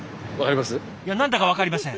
いや何だか分かりません。